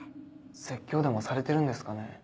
説教でもされてるんですかね？